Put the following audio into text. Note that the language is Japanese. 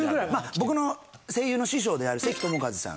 僕の声優の師匠である関智一さん。